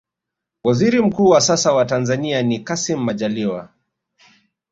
waziri mkuu wa sasa wa tanzania ni kassim majaliwa